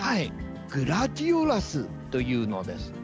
グラジオラスというのです。